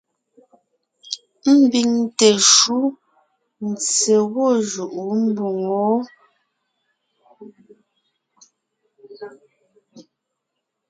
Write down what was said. Ḿbiŋ teshúʼ, ntse gwɔ́ jʉʼó mboŋó.